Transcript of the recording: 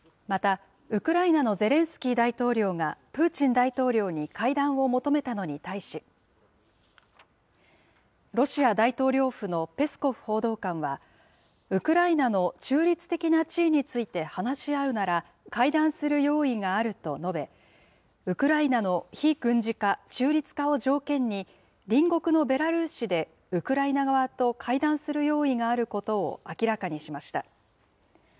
またウクライナのゼレンスキー大統領がプーチン大統領に会談を求めたのに対し、ロシア大統領府のペスコフ報道官は、ウクライナの中立的な地位について、話し合うなら会談する用意があると述べ、ウクライナの非軍事化・中立化を条件に、隣国のベラルーシでウクライナ側と会談する用意があることを明らかにしました。